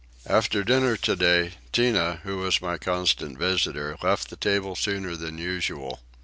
After dinner today Tinah, who was my constant visitor, left the table sooner than usual.